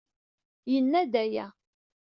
Yenna-d aya.